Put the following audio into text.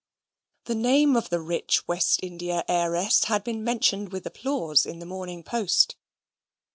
The name of the rich West India heiress had been mentioned with applause in the Morning Post.